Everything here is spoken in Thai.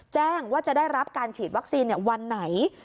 แจ้งว่าจะได้รับการฉีดวัคซีนวันไหน